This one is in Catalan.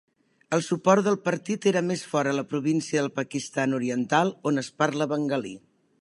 El suport del partit era més fort a la província de Pakistan Oriental, on es parla bengalí.